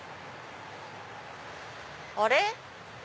あれ？